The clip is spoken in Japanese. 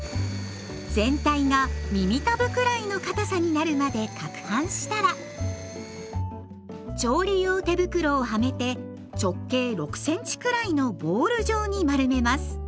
全体が耳たぶくらいのかたさになるまでかくはんしたら調理用手袋をはめて直径６センチくらいのボール状に丸めます。